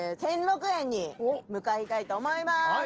向かいたいと思いまーす。